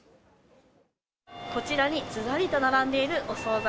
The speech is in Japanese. こちらにずらりと並んでいるお総菜。